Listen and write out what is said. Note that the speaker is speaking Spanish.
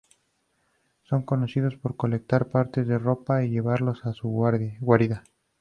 Son conocidos por colectar partes de ropas y llevarlos a su guarida.